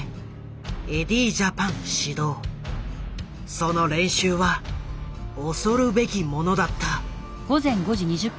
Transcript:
その練習は恐るべきものだった。